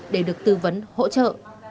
để được tư vấn hỗ trợ